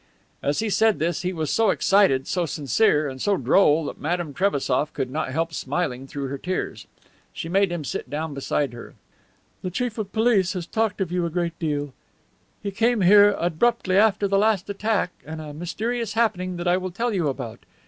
As he said this he was so excited, so sincere and so droll that Madame Trebassof could not help smiling through her tears. She made him sit down beside her. "The Chief of Police has talked of you a great deal. He came here abruptly after the last attack and a mysterious happening that I will tell you about.